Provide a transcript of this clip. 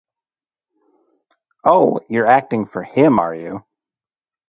Oh, you're acting for him, are you?